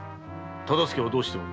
忠相はどうしておる。